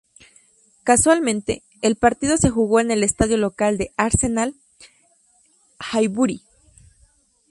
Casualmente, el partido se jugó en el estadio local del Arsenal, Highbury.